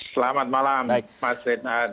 selamat malam mas renhat